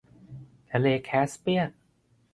ทะเลแคสเปียน